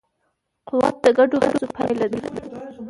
قوت د ګډو هڅو پایله ده.